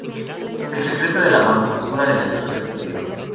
El secreto de la manufactura del acero se perdió.